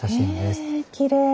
へえきれい。